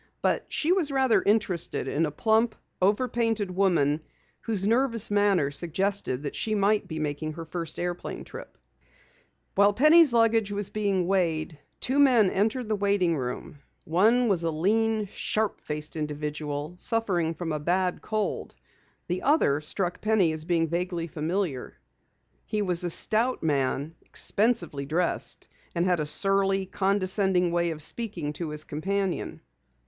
But she was rather interested in a plump, over painted woman whose nervous manner suggested that she might be making her first airplane trip. While Penny's luggage was being weighed, two men entered the waiting room. One was a lean, sharp faced individual suffering from a bad cold. The other, struck Penny as being vaguely familiar. He was a stout man, expensively dressed, and had a surly, condescending way of speaking to his companion.